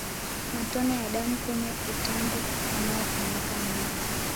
Matone ya damu kwenye utando unaofunika moyo